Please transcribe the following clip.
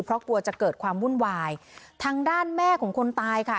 เพราะกลัวจะเกิดความวุ่นวายทางด้านแม่ของคนตายค่ะ